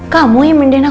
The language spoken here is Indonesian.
kamu yang mending aku makan